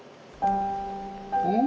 うん。